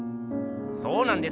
そうなんです。